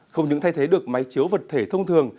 không những thay thế được máy chiếu vật thể thông thường